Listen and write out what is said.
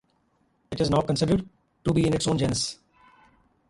It is now considered to be in its own genus.